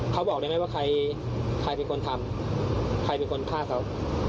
เขาบอกได้ไหมว่าใครเป็นคนทำใครเป็นคนฆ่าเขา